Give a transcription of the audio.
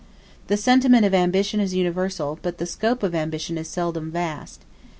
The sentiment of ambition is universal, but the scope of ambition is seldom vast.